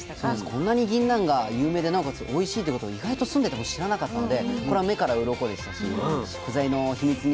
こんなにぎんなんが有名でなおかつおいしいってこと意外と住んでても知らなかったのでこれは目からうろこでしたし食材の秘密に迫れて楽しかったですよね。